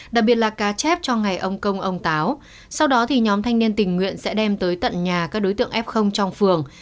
đặc biệt là cá chép cho ngày ông công ông táo sau đó thì nhóm thanh niên tình nguyện sẽ đem tới tận nhà các đối tượng f trong phường